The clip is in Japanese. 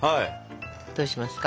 どうしますか？